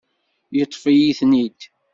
Yeṭṭef-iyi-ten-id.